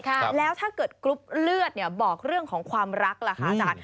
แล้วถ้าเกิดกรุ๊ปเลือดเนี่ยบอกเรื่องของความรักล่ะคะอาจารย์